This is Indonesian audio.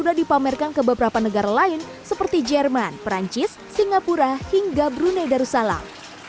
sudah dipamerkan ke beberapa negara lain seperti jerman perancis singapura hingga brunei darussalam